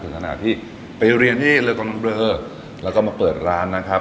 เพราะฉะนั้นพี่ไปเรียนที่เรือกับมันเบลอแล้วก็มาเปิดร้านนะครับ